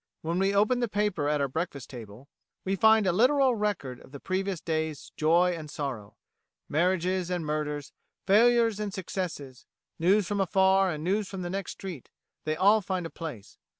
When we open the paper at our breakfast table we find a literal record of the previous day's joy and sorrow marriages and murders, failures and successes, news from afar and news from the next street they all find a place.